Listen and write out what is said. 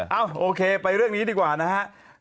เอ้าโอเคไปเรื่องนี้ดีกว่านะฮะ